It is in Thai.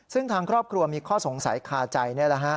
ซึ่งทางครอบครัวมีข้อสงสัยคาใจ